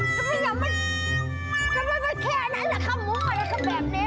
จะไม่อยากมาจะไม่มีแค่นั้นเนอะครับมุ้งอะไรแบบนี้